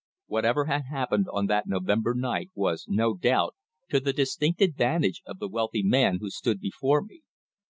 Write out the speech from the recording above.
Whatever had happened on that November night was, no doubt, to the distinct advantage of the wealthy man who stood before me.